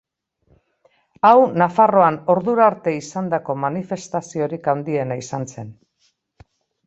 Hau Nafarroan ordura arte izandako manifestaziorik handiena izan zen.